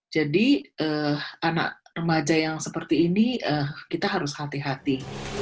jadi anak remaja yang seperti ini kita harus hati hati